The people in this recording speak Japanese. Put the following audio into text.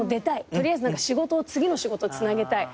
取りあえず仕事を次の仕事つなげたい。